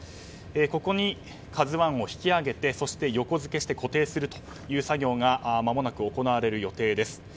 ここに、「ＫＡＺＵ１」を引き揚げてそして横付けして固定する作業がまもなく行われる予定です。